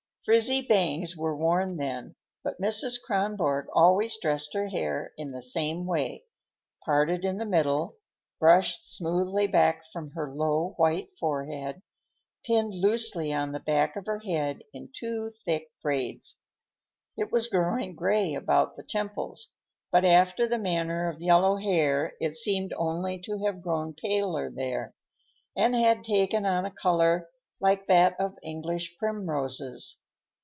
Frizzy bangs were worn then, but Mrs. Kronborg always dressed her hair in the same way, parted in the middle, brushed smoothly back from her low, white forehead, pinned loosely on the back of her head in two thick braids. It was growing gray about the temples, but after the manner of yellow hair it seemed only to have grown paler there, and had taken on a color like that of English primroses.